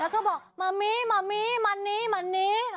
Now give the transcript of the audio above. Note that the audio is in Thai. แล้วก็บอกมะมีมะมี่มันนี้มันนี้